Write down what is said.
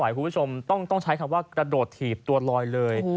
คุณผู้ชมต้องใช้คำว่ากระโดดถีบตัวลอยเลย